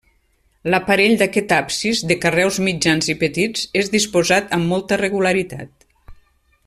L'aparell d'aquest absis, de carreus mitjans i petits, és disposat amb molta regularitat.